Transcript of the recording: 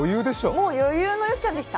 もう、余裕のよっちゃんでした。